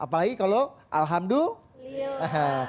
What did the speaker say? apalagi kalau alhamdulillah